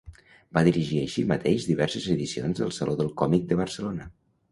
Va dirigir així mateix diverses edicions del Saló del Còmic de Barcelona.